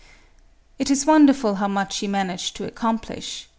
It is wonderful how much she managed to accom plish.